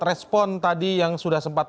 respon tadi yang sudah sempat